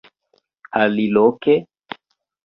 Aliloke?